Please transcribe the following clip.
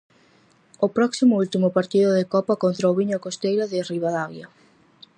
O próximo último partido de copa contra o viña costeira de Ribadavia.